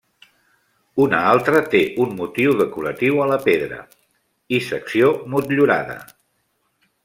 Una altra té un motiu decoratiu a la pedra, i secció motllurada.